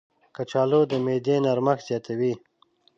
کچالو د معدې نرمښت زیاتوي.